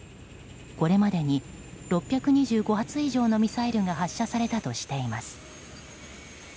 これまでに６２５発以上のミサイルが発射されたとしています。